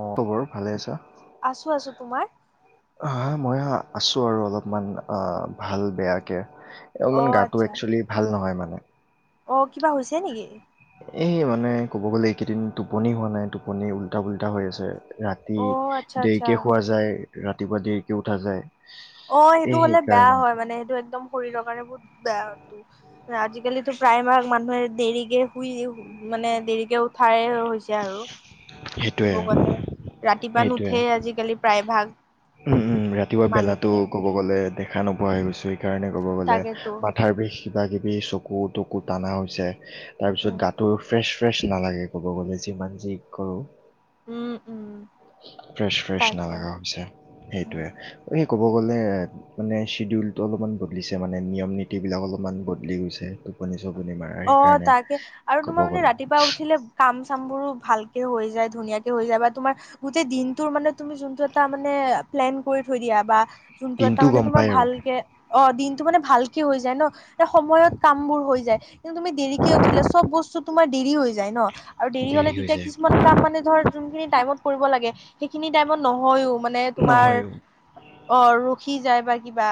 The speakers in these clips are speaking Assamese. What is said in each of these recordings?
অ খবৰ ভালে আছা? আছো আছো তোমাৰ হাঁ মই আছোঁ আৰু অলপমান ভাল বেয়াকে। অ অলপমান গাটো আচ্ছা এক্সুৱেলি ভাল নহয় মানে। অ কিবা হৈছে নেকি? এই মানে ক'ব গ'লে এইকেইদিন টোপনি হোৱা নাই টোপনি উল্টা পোল্টা হৈ আছে ৰাত তি অ আচ্ছা আচ্ছা দেৰিকে শুৱা যায় ৰাতিপুৱা দেৰিকে উঠা যায় অ সেইটো এই হ'লে বেয়া সেইকাৰণে হয় মানে সেইটো একদম শৰীৰৰ কাৰণে বহুত বেয়াটো আজিকালিতো প্ৰায়ভাগ মানুহে দেৰিকে শুই মানে দেৰিকে উঠায়েই হৈছে আৰু সেইটোয়ে কব গলে ৰাতিপুৱা সেইটোয়ে নুঠেই আজিকালি প্ৰায় ভাগ উম উম ৰাতিপুৱা বেলাতো মানুহখিনি ক'ব গ'লে দেখা নোপোৱা হৈ গৈছো। সেইকাৰণে ক'ব গ'লে তাকেতো মাথাৰ বিষ কিবা কিবি চকু তকু টানা হৈছে তাৰপিছত উম গাত টো ফ্ৰেছ ফ্ৰেছ নালাগে ক'ব গ'লে যিমান যি কৰোঁ উম উম ফ্ৰেচ ফ্ৰেছ তাকে নালাগা হৈছে উম সেইটোৱে এই ক'ব গ'লে মানে চিডুৱেলটো অলপমান বদলিছে মানে নিয়ম নীতি বিলাক অলপমান বদলি গৈছে টোপ পনি চোপনি মাৰা অ সেইকাৰণে তাকে আৰু কব তোমাৰ মানে গ'লে ৰাতিপুৱা উঠিলে কাম চাম বোৰো ভালকে হৈ যায় ধুনীয়াকে হৈ যায় বা তোমাৰ গোটেই দিনটোৰ মানে তুমি জোনটো এটা মানে প্লেন কৰি থৈ দিয়া বা জোনটো এটা দিনটো মানে গম তোমাৰ পায় আৰু ভালকে অ' দিনটো মানে ভালকে হৈ যায় ন আৰু সময়ত কাম বোৰ হৈ যায় কিন্তু তুমি দেৰিকে উঠিলে চব বস্তু তোমাৰ দেৰি হৈ যায় ন আৰু দেৰি হ'লে হৈ তেতিয়া যায় কিছুমান কাম মানে ধৰ জোনখিনি টাইমত কৰিব লাগে সেইখিনি টাইমত নহয়ও মানে তোমাৰ [inaudible] অ' ৰখি যায় বা কিবা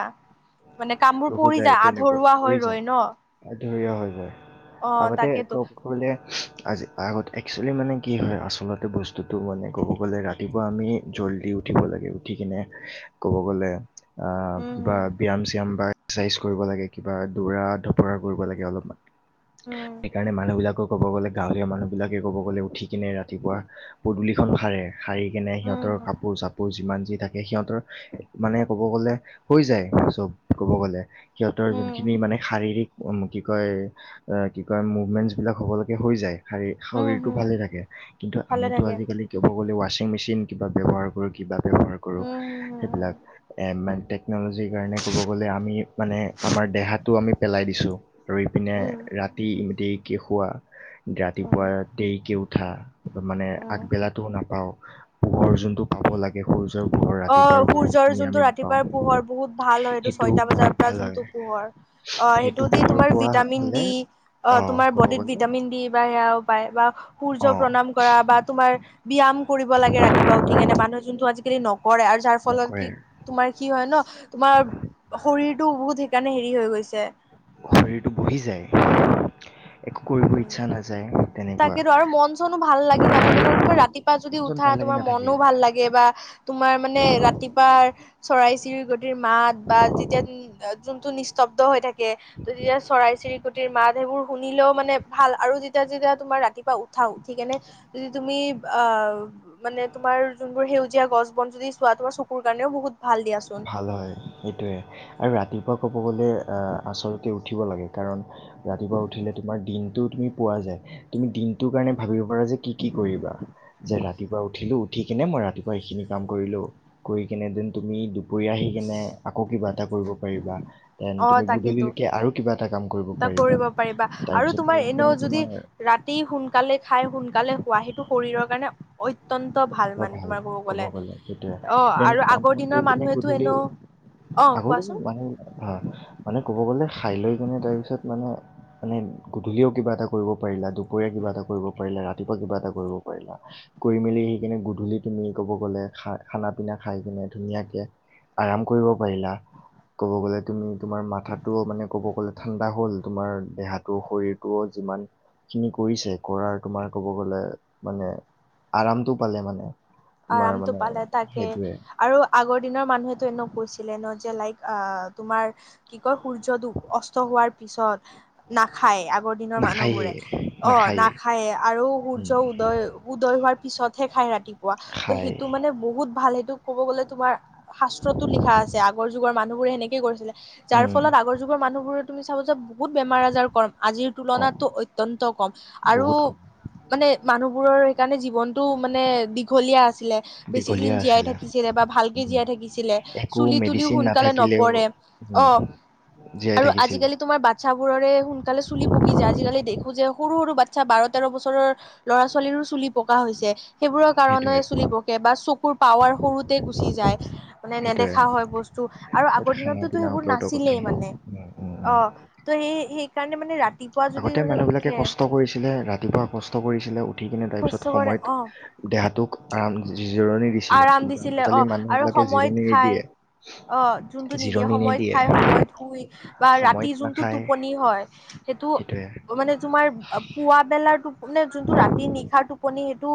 মানে কামবোৰ ৰখো পৰি যায় তেনেকুৱা আধৰুৱা হৈ যায় ৰয় ন আধৰুৱা হৈ যায় অ আগতে তাকেতো কব গলে আজি আগত একসুৱেলি মানে কি হয় আচলতে বস্তুটো মানে ক'ব গ'লে ৰাতি তিপুৱা আমি জল্দি উঠিব লাগে উঠি কিনে ক'ব গলে আহ উম কিবা হম [unintelligible] একচাইজ কৰিব লাগে, কিবা দৌৰা ধপৰা কৰিব লাগে। অলপমান উম সেইকাৰণে মানুহবিলাক ক'ব গ'লে গাঁৱলীয়া মানুহবিলাকে ক'ব গ'লে উঠি কিনে ৰাতিপুৱা পদূলিখন সাৰে। সাৰি কিনে উম সিহঁতৰ হুম কাপোৰ চাপোৰ যিমান যি থাকে। সিহঁতৰ মানে ক'ব গ'লে হৈ যায়। চব ক'ব গ'লে সিহঁতৰ উম যোনখিনি মানে শাৰীৰিক কি কয়। অ', কি কয়। মুভমেন্টছ বিলাক হবলৈকে হৈ যায়। শাৰী উম শৰীৰটো হুম ভালে থাকে। কিন্তু ভালে আমিতো থাকে আজিকালি ক'ব গ'লে ৱা্বিং মেচিন কিবা ব্যৱহাৰ [unintelligible] কিবা ব্যৱহাৰ কৰো উম হুম সেইবিলাক [unintelligible] [unintelligible] কাৰনে ক'ব গ'লে আমি মানে আমাৰ দেহাটো আমি পেলাই দিছো আৰু ইপিনে হুম উম ৰাতি ইমিক খুৱা উম ৰাতিপুৱা দেৰিকে উঠা মানে উম আগবেলাটোও নাপাওঁ, পোহৰ যোনটো পাব লাগে। সূৰ্যৰ পোহৰ অ', ৰাতিপুৱাৰ সূৰ্যৰ পোহৰখিনি আমি যোনটো নাপাওঁ ৰাতিপুৱাৰ পোহৰ বহুত ভাল হয়। এইটো সেইটো ছয়টা বহুত বজাৰ ভাল পাৰান লাগে পোহৰ অ, সেইটো দি পোহৰ তোমাৰ পোৱা ভিটামিন হ'লে দি অ', তোমাৰ ক'ব বডিত গ'লে ভিটামিন দি বা সেয়াও পায় বা সূৰ্য অ প্ৰণাম কৰা। বা তোমাৰ ব্যায়াম কৰিব লাগে। ৰাতিপুৱা উঠি কেনে মানুহ যোনটো আজিকালি নকৰে আৰু যাৰ ফলত নকৰে কি তোমাৰ কি হয় ন, তোমাৰ শৰীৰটো বহুত সেইকাৰণে হেৰি হৈ গৈছে। শৰীৰটো বহি যায়। একো কৰিব উম', ইচ্ছা নাযায় তেনেকুৱা তাকেতো আৰু মন চনো ভাল লাগি নাথাকে ন, তুমি ৰাতি যদি মন চন উঠা ভাল লাগি তোমাৰ নাথাকে মনো ভাল লাগে, বা তোমাৰ মানে ৰাতিপুৱা চৰাই চিৰি মাত বা তেতিয়া যোনটো নি জব্দ হৈ থাকে। ত তেতিয়া চৰাই চিৰিকটিৰ মাত সেইবোৰ শুনিলেও। মানে ভাল আৰু যেতিয়া যেতিয়া তোমাৰ ৰাতিপুৱা উঠাও ঠিকেনে যদি তুমি আহ মানে তোমাৰ যোনবোৰ সেউজীয়া গছ বন যদি চোৱা তোমাৰ চকুৰ কাৰণেও বহুত ভাল দিয়া ভাল হয়। সেইটোৱে আৰু ৰাতিপুৱা ক'ব গ'লে আচলতে উঠিব লাগে। কাৰণ ৰাতিপুৱা উঠিলে। তোমাৰ দিনটো তুমি পোৱা যায়। তুমি দিনটোৰ কাৰণে ভাবিব পাৰা যে কি কি কৰিবা? যে ৰাতিপুৱা উঠিলো। উঠি কিনে মই ৰাতিপুৱা এইখিনি কাম কৰিলোঁ কৰি কিনে দেন তুমি, কৰি আহি কিনে আকৌ কিবা এটা কৰিব পাৰিবা দেন তুমি গধূলিলৈকে আৰু কিবা এটা কাম এটা কৰিব পাৰিবা আৰু তাৰপিছত কৰি তোমাৰ কিনে এনেও যদি তোমাৰ ৰাতি সোনকালে খাই। সোনকালে শোৱা সেইটো শৰীৰৰ কাৰণে অত্যন্ত ভাল মানে তোমাৰ ক'ব গলে সেইটোৱে অ, দেন আৰু কাম আগৰ বন কৰি দিনৰ কিনে মানুহেতো গধূলি এনেও অ আগৰ কোৱাচোন দিনত মানুহ [unintelligible] মানে ক'ব গলে খাই লৈ কিনে তাৰপিছত মানে মানে গধূলিও কিবা এটা কৰিব পাৰিলা। দুপৰীয়া কিবা এটা কৰিব পাৰিলা। ৰাতিপুৱা কিবা এটা কৰিব পাৰিলা। কৰি মেলি আহি কিনে গধূলি তুমি ক'ব গ'লে খাই খানা পিনা খাই কিনে ধুনীয়াকে আৰাম কৰিব পাৰিলা। ক'ব গ'লে তুমি তোমাৰ মাথাটো মানে ক'ব গ'লে ঠাণ্ডা হ'ল তোমাৰ দেহাটো শৰীৰ টো যিমান খিনি কৰিছে, কৰাৰ তোমাৰ ক'ব গ'লে মানে আৰামটো পালে মানে তোমাৰ আৰমটো মানে পালে তাকে সেইটোৱে আৰু আগৰ দিনৰ মানুহেতো এনেও কৈছিলে ন যে লাইক আহ তোমাৰ কি কয় সূৰ্যটো অস্ত হোৱাৰ পিছত নাখায়, আগৰ দিনৰ নাখায়েই মানুহবোৰে অ', নাখায়েই নাখায় আৰু সূৰ্য উদয় উদয় হোৱাৰ পিছতহে খায় ৰাতি ত', খাই সেইটো মা মানে বহুত ভাল সেইটো ক'ব গ'লে তোমাৰ শাস্ত্ৰটো লিখা আছে। আগৰ যুগৰ মানুহ বোৰে সেনেকে কৰিছিলে। যাৰ উম ফলত, আগৰ যুগৰ মানুহবোৰ তুমি চাবা যে ব বহুত বেমাৰ আজাৰ কম, আজিৰ কম তুলনাতটো অত্যন্ত কম আৰু বহুত কম মানে মানুহবোৰৰ সেইকাৰণে জীৱনটো মানে দীঘলীয়া আছিলে। বেছি দীঘলীয়া দিন জীয়াই আছিলে থাকিছিলে বা ভালকে উম জীয়াই থাকিছিলে, একো চুলি তুলিও মেডিচিন সোনকালে নাথাকিলেও নপৰে। উম। অ জীয়াই আৰু থাকিছিলে আজিকালি তোমাৰ বাত -চ্ছাবোৰৰে সোনকালে চুলি পকি যায়, আজিকালি দেখো যে, সৰু সৰু বাচ্ছা বাৰ তেৰ বছৰৰ ল'ৰা-ছোৱালীৰো চুলি পকা হৈছে, সেইবোৰৰ কাৰণে সেইটোৱে চুলি প কে বা চকুৰ পাৱাৰ সৰুতে গুচি যায়। মানে সেইটোৱে নেদেখা হয়, বস্তু আৰু এইটো আগৰ খানা দিনতোতো পিনাৰ সেইবোৰ ওপৰতো কথা নাছিলেই মানে, উম উম উম অ' ত' সেই সেইকাৰণে মানে ৰাতি আগতে মানুহ বিলাকে কষ্ট কৰিছিলে, ৰাতিপুৱা কষ্ট কৰিছিলে, উঠি কিনে খোজ তাৰপিছত চবৰে অ সময়ত দেহাটোক আৰাম জি-জিৰণি দিছিলে, আৰাম কিন্তু দিছিলে অ আজিকালি মানুহ আৰু বিলাকে জিৰণি সময়ত নিদিয়ে। খায় অ', যোনটো নিদিয়ে সময়ত খাই সময়ত শুই বা ৰাতি সময়ত যোনটো টোপনি হয়। সেইটো। সেইটোৱেই। মানে তোমাৰ আ, পুৱা বেলাৰ টো মানে যোনটো ৰাতি নিশাৰ টোপনি সেইটো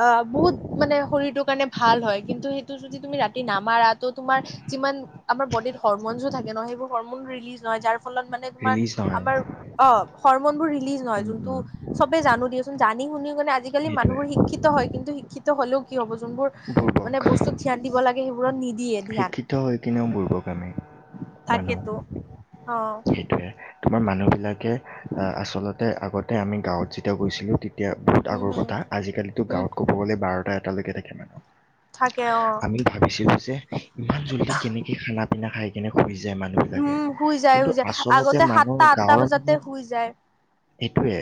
আ, বহুত মানে শৰীৰটোৰ কাৰণে ভাল হয়, কিন্তু সেইটো যদি তুমি ৰাতি নামাৰা ত' তোমাৰ যিমান আমাৰ বডিত হৰমনজো থাকে, ন সেইবোৰ হৰমন ৰিলিজ নহয় যাৰ ফলত মানে তোমাৰ ৰিলিজ নহয় আমাৰ অ', হ'ৰমনবোৰ ৰিলিজ নহয়, উম যোনটো উম চবে জানো দিয়াচ চুন, জানি শুনি মানে, আজিকালি সেইটোৱে মানুহবোৰ শিক হয়, কিন্তু শিক্ষিত হ'লেও কি হ'ব, যোনবোৰ বুৰ্বক মানে বস্তুত ধ্যান দিব লাগে সেইবোৰত নি শিক্ষিত হৈ কিনেও বুৰ্বক আমি তাকেতো মানুহ, অ সেইটোৱে। তোমাৰ মানুহ বিলাকে, আ-আচলতে, আগতে আমি গাঁৱত যেতিয়া গৈছিলো তে এতিয়া বহুত উম আগৰ হম কথা, আজিকালিতো উম গাঁৱত ক'ব গ'লে বাৰটা এটালৈকে থাকে মানুহ। থাকে অ'। আমি ভাবিছিলো যে, ইমান জল্দি কেনেকে খানা পিনা খাই কিনে শুই যায়, মানুহ উম বিলাকে শুই যায় কিন্তু শুই যায় আচলতে আগতে মানুহৰ সাতটা আঠটা গাঁৱৰ বজাতে মানুহ শুই যায় সেইটোৱে,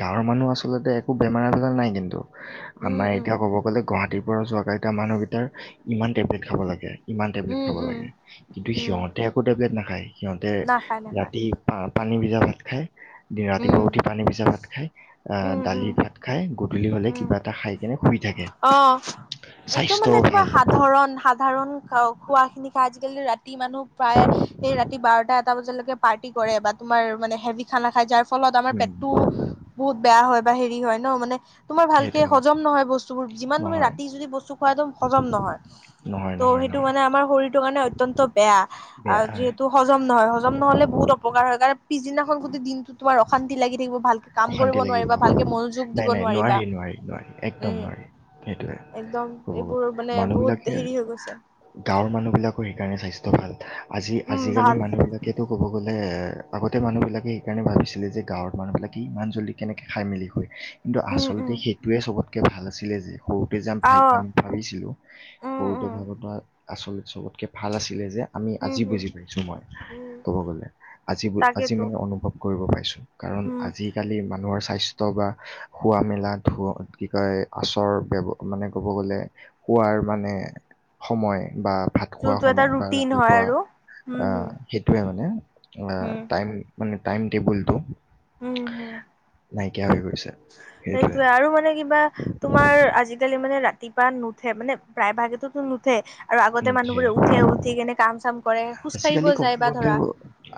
গাঁৱৰ মানুহ আচলতে একো বেমাৰ আজাৰ নাই কিন্তু। উম আমাৰ উম এতিয়া ক'ব গ'লে, গুৱাহাটীৰ পৰা যোৱা কেইটা মানুহকেইটাৰ ইমান টেব খাব লাগে, ইমান টেবলেট উম খাব উম লাগে। কিন্তু উম সিহঁতে একো টেবলেট নাখায়, সিহঁতে নাখায় নাখায় ৰাতি আ, পানী ভিজা ভাত খাই, দি উম ৰাতিপুৱা উঠি পানী ভিজা ভাত খায়, আ, উম উম দালি ভাত খাই, গধূলি হ'লে উম কিবা এটা খাই। কেনে শুই থাক অ', একদম মানে তোমাৰ ভাল সাধাৰণ, সাধ ধাৰন খা-খোৱাখিনি খাই আজিকালিটো ৰাত ৰাতি মানুহ প্ৰায় সেই ৰাতি বাৰটা এটা বজালৈকে পাৰ্টি কৰে বা তোমাৰ মানে হেভি খানা খায় যাৰ ফলত আমাৰ উম পেটটো বহুত বেয়া হয় বা হেৰি হয় ন মানে তোমাৰ ভালকে সেইটোৱে হজম নহয় বস্ যিমান তুমি নহয় ৰাতি যদি বস্তু খোৱা, একদম হজম নহয়। নহয় ত' নহয় সেইটো নহয় মানে আমাৰ শৰীৰটো কাৰণে অত্যন্ত বেয়া, আ, বেয়া যিহেতু হজম নহয়, হজম নহ'লে বহুত অপকাৰ হয়, কাৰণ পিছদিনাখন গোটেই দিনটো তোমাৰ অশান্তি লাগি থাকিব, ভালকে কাম অশান্তি কৰিব লাগিব নোৱাৰিবা, ভালকে মনোযোগ নাই দিব নোৱাৰিবা, উম। সেইটোয়ে একদম ক'ব গলে, এইবোৰ মানে মানুহ বিলাকে বহুত হেৰি হৈ গৈছে গাঁৱৰ মানুহবিলাকৰ সেইকাৰণে স্বাস্থ্য ভাল, উম আজি-আজিকালি ভাল মানুহ বিলাক সেইটো ক'ব গ'লে আগতে মানুহবিলাকে সেইকাৰণে ভাবিছিলে যে গাঁৱৰ মানুহবিলাক তি ইমান জল্দি কেনেকে খাই মেলি শুৱে কিন্তু উম আচলতে উম সেইটোৱে চবতকে ভাল আছিলে যে সৰুতে যে আমি ভাই পাম আহ ভাবিছিলোঁ উম সৰুতে উম ভাবা আচলতে চবতকে ভাল আছিলে যে আমি হম আজি হম বুজি পাইছোঁ মই উম ক'ব গ'লে, আজি আজি তাকেতো মানে অনুভৱ কৰিব পাইছোঁ। কাৰণ উম আজিকালি মানুহৰ স্বাস্থ্য বা শুৱা মেলা ধু কি কয় আচৰ ব্যৱ মানে ক'ব গ'লে শুৱাৰ মানে সময় বা ভাত খোৱা যোনটো এটা সময় বা ৰুটিন হয় ৰাতিপুৱা আৰু উম আ হম সেইটোৱে মানে আ, হম টাইম মানে টাইম টেবুলটো উম, হুম। নাইকিয়া হৈ গৈছে। সেইটোৱে সেইটোয়ে আৰু মানে কিবা তোমাৰ আজিকালি মানে ৰাতিপুৱা নুঠে মানে প্ৰায়ভাগেতো নুঠ ঠে আৰু আগতে মানুহবোৰে উঠে উঠি কেনে কাম চাম কৰে, খোজ আজিকালি কাঢ়িব ক'ব যায় বা ধৰা। গ'লেও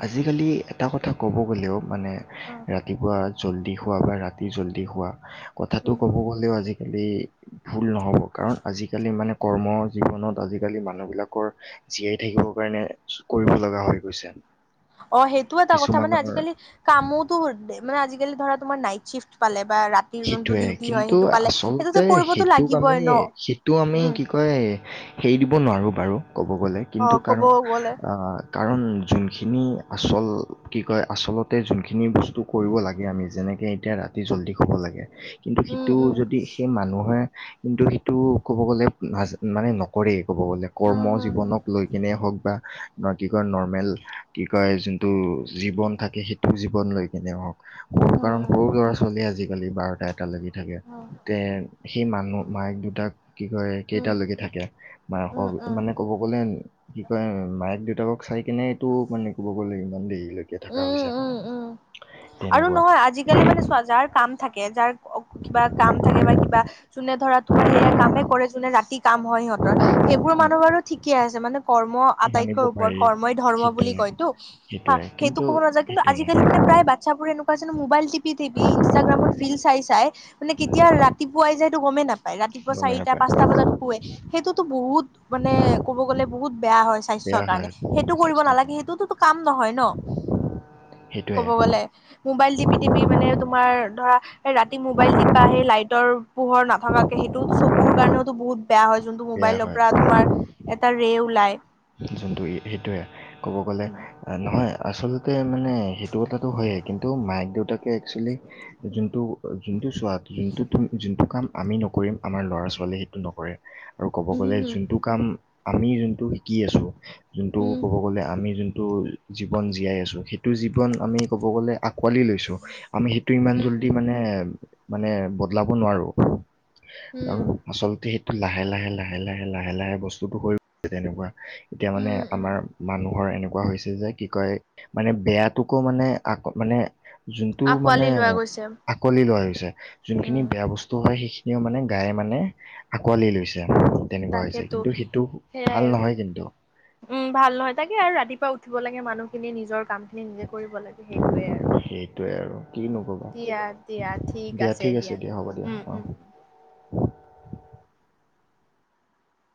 আজিকালি এটা কথা ক'ব গ'লেও মানে অ ৰাতিপুৱা জল্দি খোৱা বা ৰাতি জল্দি শুৱা কথাটো উম ক'ব গ'লেও আজিকালি ভুল নহ'ব কাৰণ আজিকালি মানে কৰ্ম জীৱনত আজি আজিকালি মানুহবিলাকৰ জীয়াই থাকিবৰ কাৰণে কৰিব লগা হৈ গৈছে। অ' সেইটো এটা কথা মানে কিছুমানৰ আজিকালি কামোত তোহুত দে মানে আজিকালি ধৰা তোমাৰ নাইট চিফট পালে বা ৰাত সেইটোৱে কিন্তু আচলতে কৰিবতো সেইটোক আমি লাগিবই ন সেইটো আমি উম কি ক কৈ হেৰি দিব নোৱাৰো বাৰু ক'ব গ'লে অ কিন্তু ক'ব কাৰণ গ'লে আ কাৰণ যোনখিনি আচল কি কয় আচলতে যোনখিনি বস্তু কৰিব লাগে আমি যেনেকে এতিয়া ৰাতি জলদি শুব লাগে কিন্তু উম সিটো উম যদি সেই মানুহে কিন্তু সেইটো ক'ব গ'লে মানে নকৰে, ক'ব গ'লে কৰ্ম উম জীৱনক লৈ কেনে হওক বা ন' কি কয় নৰ্মেল কি কয় যোনটো জীৱন থাকে সেই জীৱন লৈ কেনে হওক, সোৰ উম কাৰণ সৰু ল'ৰা ছোৱালীয়ে আজিকালি বাৰটা এটা লৈকে থাকে, উম তে সেই মানুহ মায়েক দুটাক কি কয় উম উম উম উম কেইটালৈকে থাকে, মায়াকক মানে উম ক'ব গ'লে কি কয় মায়েক দেউতাকক চাই কেনে এইটো মানে ক'ব গ'লে ইমান দেৰি লা কে থাকা উম হৈছে উম উম আৰু তেনেকুৱা। নহয় আজিকালি মানে চোৱা যাৰ কাম থাকে, যাৰ ইক কিবা কাম থাকে বা কিবা যোনে ধৰা তোমাৰ সেয়া কামে কৰে, যোনে ৰাতি কাম হয় সিহঁতৰ। সেইবোৰ উম, মানুহ বাৰু ঠিকেই আছে মানে কৰ্ম মানিব আটাইতকৈ পাৰি ওপৰত কৰ্মই ধৰ্ম সেইটোৱে বুলি কয়তো হা সেইটোৱে সেইটো কিন্তু ক'ব নাযাওঁ কিন্তু সেইটোৱে আজিকালি মানে প্ৰায় ভাগ ছাবোৰ এনেকুৱা আছে ন' মোবাইল টিপি টিপি, ইনষ্টাগ্ৰামত ৰিল চাই চাই মানে কেতিয়া ৰাতিপুৱাই হৈ যায় সেইইটো গমে নাপা ৰাতিপুৱা গমেই চাৰিটা নাপায় পাঁচটা বজাত শুৱে সেইটোতো বহুত মানে ক'ব গ'লে বহুত বেয়া হয় স্বা ছৰ বেয়া কাৰণে হয় সেইটো কৰিব স্বাস্থ্যৰ নালাগে, কাৰণে সেইটোটো কাম নহয় ন'। সেইটোৱে ক'ব গ'লে মোবাইল টিপি টিপি মানে তোমাৰ ধৰা ৰাতি মোবাইল টিপা সেই লাইটৰ পোহৰ নাথকাকে সেইটোওটো চকুৰ কাৰণেওতো বহুত বেয়া হয় যোনটো বেয়া মোবাইলৰ হয় পৰা তোমাৰ এটা ৰে ওলাই। যোনটো এ, সেইটোৱে ক'ব গ'লে উম এ নহয় আচলতে মানে সেইটো কথাটো হয়েই কিন্তু মায়েক দেউতাকে একচুৱেলি যোনটো যোনটো চোৱা যোনটো তুমি যোনটো কাম আমি নকৰিম আমাৰ ল'ৰা ছোৱালীয়ে সেইটো নকৰে আৰু ক'ব গ'লে উম যোনটো কাম আমি যোনটো শিকি আছোঁ যোনটো উম ক'ব গ'লে আমি যোনটো জীৱন জীয়াই আছো সেইটো জীৱন আমি ক'ব গ'লে আঁকোৱালি লৈছো। আমি সেই তো ইমান জল্দি মানে উম মানে বদলাব নোৱাৰো আৰু আচলতে সেইটো লাহে লাহে লাহে লাহে লাহে লাহে বস্তুটো কৰি তেনেকুৱা এতিয়া মানে উম উম আমাৰ মানুহৰ এনেকুৱা হৈছে যে কি কয় মানে বেয়াটোকো মানে আক মানে যোনটো মানে আকোৱালি লোৱা গৈছে আকোৱালি লোৱা হৈছে যোনখিনি উম বেয়া বস্তু হয় সেইখিনিও মানে গায়ে মানে আঁকোৱালি লৈছে। তেনেকুৱা হৈছে তাকেতো কিন্তু সেইটো সেইয়াই ভাল আৰু নহয় কিন্তু। উম, ভাল নহয় তাকে আৰু ৰাতিপুৱা উঠিব লাগে মানুহখিনি নিজৰ কাম খিনি নিজে কৰিব লাগে। সেইটোৱে আৰু সেইটোৱে আৰু কিনো উম ক'বা দিয়া দিয়া ঠিক আছে। দিয়া উম উম।